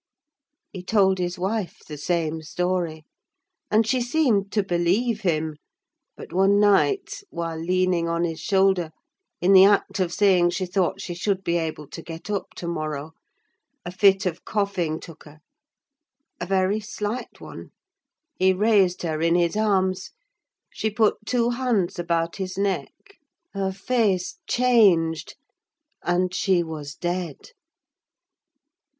He told his wife the same story, and she seemed to believe him; but one night, while leaning on his shoulder, in the act of saying she thought she should be able to get up to morrow, a fit of coughing took her—a very slight one—he raised her in his arms; she put her two hands about his neck, her face changed, and she was dead.